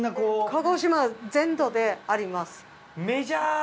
鹿児島全土であります。